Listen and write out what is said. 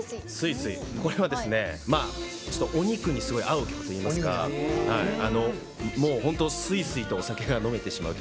これは、お肉にすごく合う曲といいますか本当、スイスイとお酒が飲めてしまう。